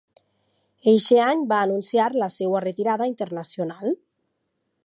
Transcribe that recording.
Eixe any va anunciar la seua retirada internacional.